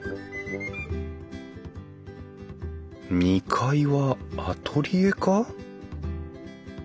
２階はアトリエか？